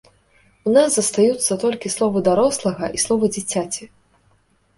У нас застаюцца толькі словы дарослага і словы дзіцяці.